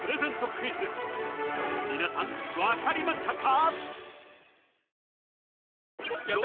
クイズ皆さん分かりましたか？